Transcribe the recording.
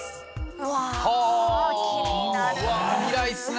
うわ未来っすね！